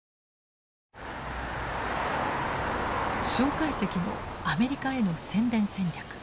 介石のアメリカへの宣伝戦略。